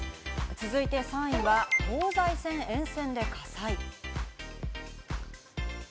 続いて３位は、東西線沿線で火災。